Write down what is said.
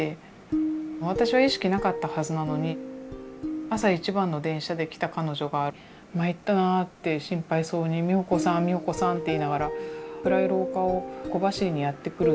私は意識なかったはずなのに朝一番の電車で来た彼女が「参ったなあ」って心配そうに「美穂子さん美穂子さん」って言いながら暗い廊下を小走りにやって来る